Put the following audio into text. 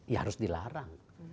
ya harus dilarang